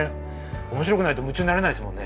おもしろくないと夢中になれないですもんね。